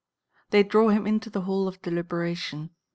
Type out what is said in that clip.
They draw him into the Hall of Deliberation.